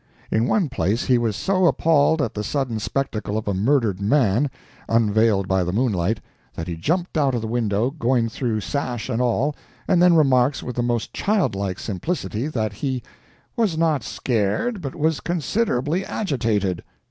In one place he was so appalled at the sudden spectacle of a murdered man, unveiled by the moonlight, that he jumped out of the window, going through sash and all, and then remarks with the most childlike simplicity that he "was not scared, but was considerably agitated."